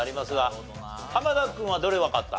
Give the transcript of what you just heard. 濱田君はどれわかった？